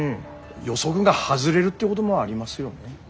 予測が外れるってごどもありますよね？